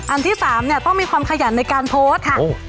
อันที่๓เนี่ยต้องมีความขยันในการโพสต์ค่ะ